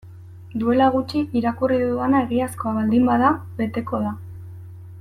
Duela gutxi irakurri dudana egiazkoa baldin bada beteko da.